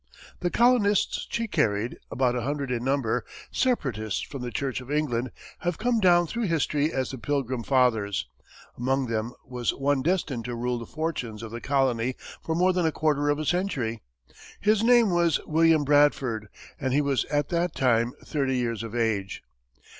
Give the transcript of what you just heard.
The colonists she carried, about a hundred in number, Separatists from the Church of England, have come down through history as the "Pilgrim Fathers." Among them was one destined to rule the fortunes of the colony for more than a quarter of a century. His name was William Bradford, and he was at that time thirty years of age.